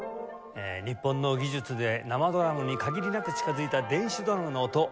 日本の技術で生ドラムに限りなく近づいた電子ドラムの音。